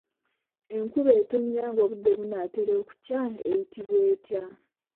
Enkuba etonnya ng'obudde bunaatera okukya eyitibwa etya?